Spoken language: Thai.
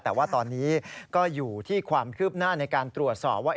แต่ว่าตอนนี้ก็อยู่ที่ความคืบหน้าในการตรวจสอบว่า